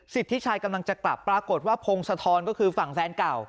สิทธิชัยกำลังจะกลับปรากฏว่าพงศธรก็คือฝั่งแฟนเก่า